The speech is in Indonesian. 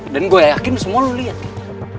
dan gue yakin semua lo liat kan